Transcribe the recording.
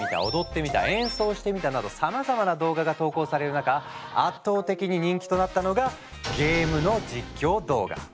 などさまざまな動画が投稿される中圧倒的に人気となったのがゲームの実況動画。